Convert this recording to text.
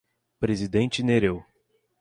Presidente Nereu